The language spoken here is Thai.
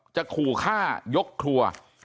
จะคู่ฆ่ายกถั่ว